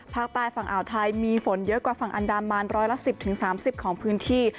ภาคใต้ฝั่งอ่าวไทยมีฝนเยอะกว่าฝั่งอันดามันร้อยละ๑๐๓๐ของพื้นที่